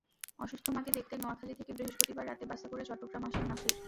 অসুস্থ মাকে দেখতে নোয়াখালী থেকে বৃহস্পতিবার রাতে বাসে করে চট্টগ্রাম আসেন নাছির।